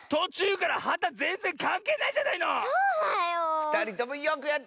ふたりともよくやった！